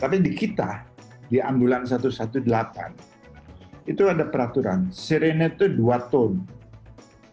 tapi di kita di ambulans satu ratus delapan belas itu ada peraturan sirene itu dua tone